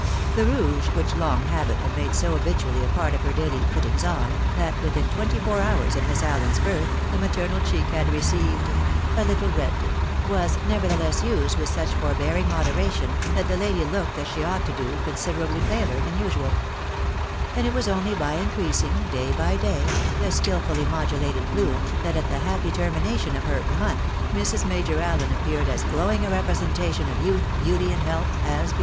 The rouge, which long habit had made so habitually a part of her daily puttings on, that within twenty four hours ofMiss Allen's birth, the maternal cheek had received a little red, was, nevertheless, used with such forbearing moderation, that the lady looked, as she ought to do, considerably paler than usual ; and it was only by increasing, day by day, the skilfully modulated bloom, that at the happy termination of " her month" Mrs. Major Allen appeared as glowing a representation of youth, beauty, and health as before.